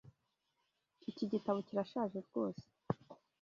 Iki gitabo kirashaje rwose.